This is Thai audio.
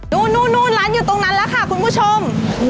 นู่นร้านอยู่ตรงนั้นแล้วค่ะคุณผู้ชม